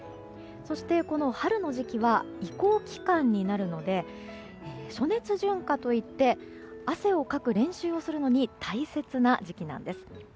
そして、この春の時期は移行期間になるので暑熱順化といって汗をかく練習をするのに大切な時期なんです。